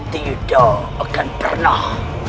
tidak akan pernah